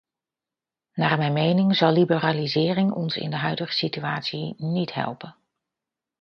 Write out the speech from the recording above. Naar mijn mening zal liberalisering ons in de huidige situatie niet helpen.